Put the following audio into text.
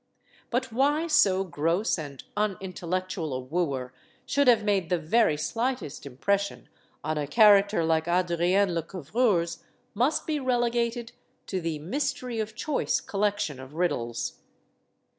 But why so gross and unintellectual a wooer should have made the very slightest impression on a character like Adrienne Lecouvreur's must be relegated to the "mystery of choice" collection of riddles.